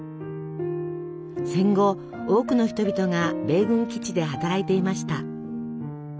戦後多くの人々が米軍基地で働いていました。